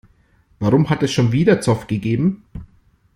Warum hat es schon wieder Zoff gegeben?